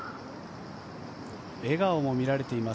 笑顔も見られています。